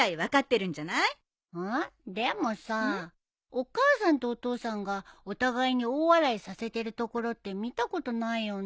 でもさお母さんとお父さんがお互いに大笑いさせてるところって見たことないよね。